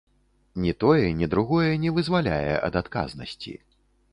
Ні тое, ні другое не вызваляе ад адказнасці.